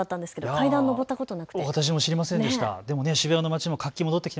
階段を上ったことがなくて私も知りませんでした。